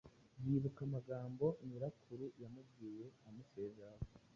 yibuka amagambo nyirakuru yamubwiye amusezeraho